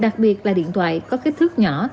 đặc biệt là điện thoại có kích thước nhỏ